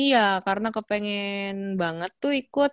iya karena kepengen banget tuh ikut